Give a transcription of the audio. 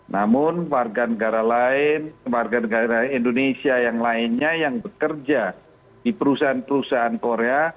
namun warga negara lain warga negara indonesia yang lainnya yang bekerja di perusahaan perusahaan korea